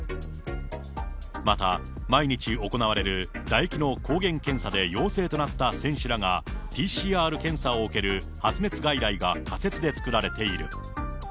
また、毎日行われる唾液の抗原検査で陽性となった選手らが、ＰＣＲ検査を受ける発熱外来が仮設で作られている。